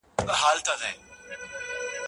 داسي هم نور ورباندي سته نومونه